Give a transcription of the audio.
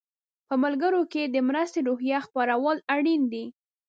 په ملګرو کې د مرستې روحیه خپرول اړین دي.